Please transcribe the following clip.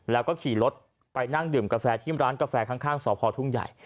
แล้วก็ขี่รถไปนั่งดื่มกาแฟที่ร้านกาแฟข้างสพทุ่งใหญ่